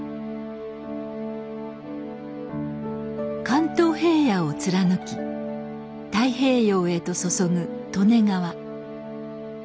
関東平野を貫き太平洋へと注ぐ利根川。